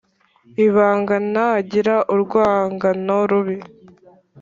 ibanga ntagira urwangano rubi